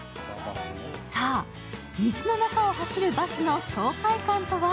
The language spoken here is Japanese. さあ、水の中を走るバスの爽快感とは？